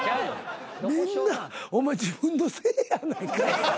みんな自分のせいやないかい。